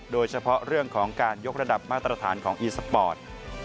โดยเฉพาะเรื่องของการยกระดับมาตรฐานของอีสปอร์ต